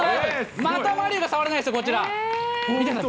また馬龍が触れないんですよ、こちら。